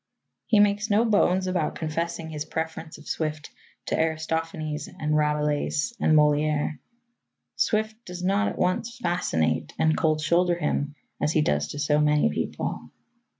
He makes no bones about confessing his preference of Swift to Aristophanes and Rabelais and Molière. Swift does not at once fascinate and cold shoulder him as he does to so many people.